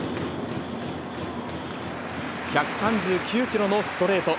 １３９キロのストレート。